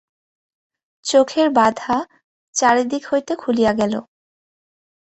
চোখের বাধা চারিদিক হইতে খুলিয়া গেল।